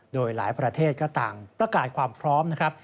โดยหลายประเทศก็ต่างประกาศความพร้อมนะครับ